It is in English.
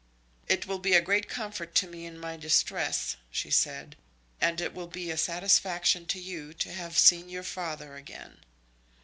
"It will be a great comfort to me in my distress," she said; "and it will be a satisfaction to you to have seen your father again."